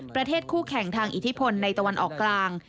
คู่แข่งทางอิทธิพลในตะวันออกกลาง